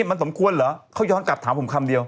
มันสมควรเหรอเขาย้อนกลับถามผมคำเดียว